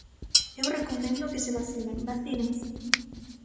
Eu recomendo que se vacinen, ¡vacínense!